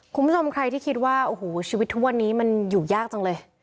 คุณผู้ชมใครที่คิดว่าโอ้โหชีวิตทุกวันนี้มันอยู่ยากจังเลย